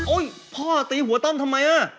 โอ้ยพ่อตีหัวต้นทำไม